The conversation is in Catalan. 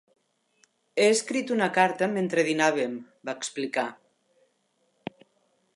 "He escrit una carta mentre dinàvem", va explicar.